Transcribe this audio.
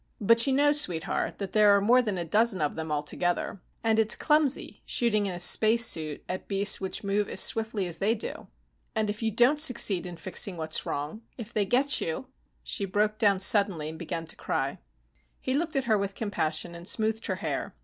But you know, sweetheart, that there are more than a dozen of them altogether, and it's clumsy shooting in a spacesuit at beasts which move as swiftly as they do." "And if you don't succeed in fixing what's wrong, if they get you " She broke down suddenly and began to cry. He looked at her with compassion, and smoothed her hair.